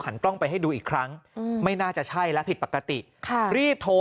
กล้องไปให้ดูอีกครั้งไม่น่าจะใช่และผิดปกติค่ะรีบโทร